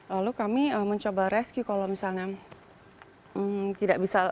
lalu kami mencoba rescue kalau misalnya tidak bisa